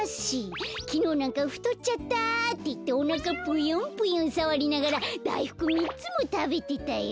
きのうなんか「ふとっちゃった」っていっておなかぷよんぷよんさわりながらだいふく３つもたべてたよ。